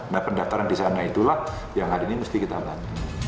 nah pendaftaran disana itulah yang hari ini mesti kita lakukan